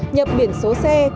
nhập biển số xe của phương pháp